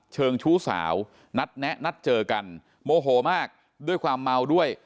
เชิงชู้สาวนัดแนะนัดเจอกันโมโหมากด้วยความเมาด้วย